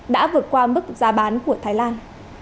đã vượt qua mức giá bán của thái lan